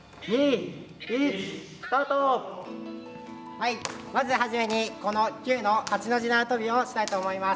はいまず始めにこの球の８の字縄跳びをしたいと思います。